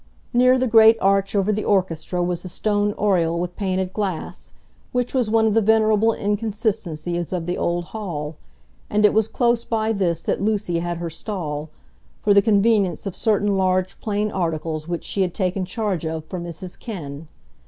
Near the great arch over the orchestra was the stone oriel with painted glass, which was one of the venerable inconsistencies of the old hall; and it was close by this that Lucy had her stall, for the convenience of certain large plain articles which she had taken charge of for Mrs Kenn.